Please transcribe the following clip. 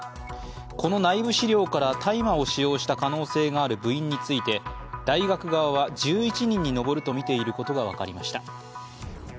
この内部資料から大麻を使用した可能性がある部員について大学側は１１人に上るとみていることが分かりました。